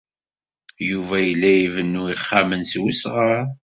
Yuba yella ibennu ixxamen s wesɣar.